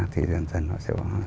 thì dần dần họ sẽ